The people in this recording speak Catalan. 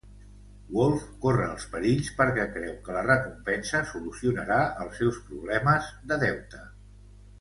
Wolff corre els perills perquè creu que la recompensa solucionarà els seus problemes de deute.